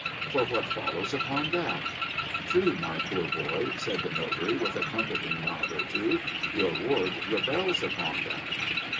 For, what follows upon that ?'' True, my poor boy,' said the notary, with a comforting nod or two ;' your ward rebels upon that.'